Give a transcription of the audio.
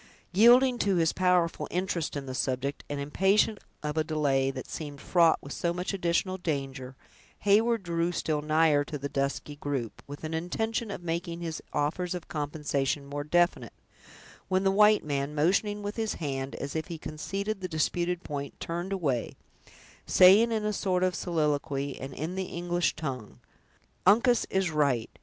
Yielding to his powerful interest in the subject, and impatient of a delay that seemed fraught with so much additional danger, Heyward drew still nigher to the dusky group, with an intention of making his offers of compensation more definite, when the white man, motioning with his hand, as if he conceded the disputed point, turned away, saying in a sort of soliloquy, and in the English tongue: "Uncas is right!